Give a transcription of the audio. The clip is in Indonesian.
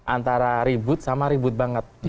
antara ribut sama ribut banget